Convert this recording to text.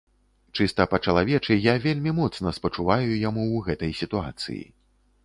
Чыста па чалавечы я вельмі моцна спачуваю яму ў гэтай сітуацыі.